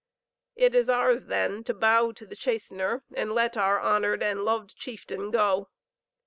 It is ours then to bow to the Chastener and let our honored and loved chieftain go.